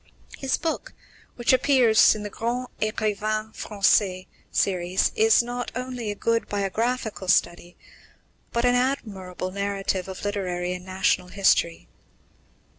His book, which appears in the Grands Ecrivains Français series, is not only a good biographical study, but an admirable narrative of literary and national history.